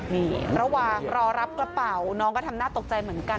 นี่ระหว่างรอรับกระเป๋าน้องก็ทำน่าตกใจเหมือนกัน